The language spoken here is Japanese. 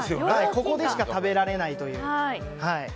ここでしか食べられないという。